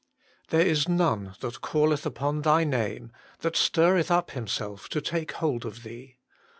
There is none that calleth upon Thy name, that stirreth np himself to take hold of Thee."